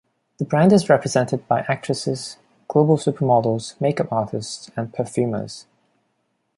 The brand is represented by actresses, global supermodels, makeup artists and perfumers.